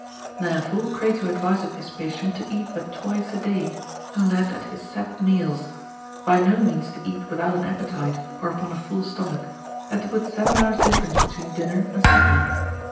Therefore Crato adviseth his patient to eat but twice a day, and that at his set meals, by no means to eat without an appetite, or upon a full stomach, and to put seven hours' difference between dinner and supper.